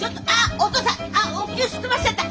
お父さんお灸すっ飛ばしちゃった！